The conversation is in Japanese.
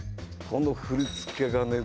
この振り付けがね